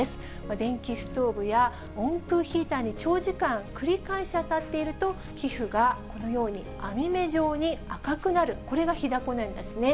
電気ストーブや温風ヒーターに長時間繰り返し当たっていると、皮膚がこのように網目状に赤くなる、これが火だこなんですね。